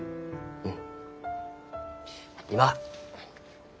うん。